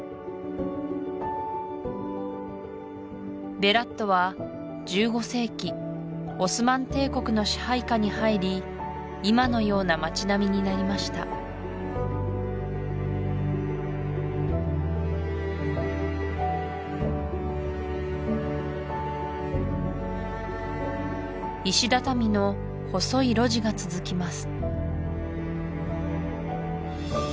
ベラットは１５世紀オスマン帝国の支配下に入り今のような町並みになりました石畳の細い路地が続きます